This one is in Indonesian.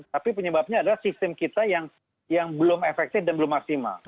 tapi penyebabnya adalah sistem kita yang belum efektif dan belum maksimal